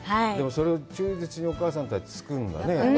それを忠実にお母さんたちが作るんだね。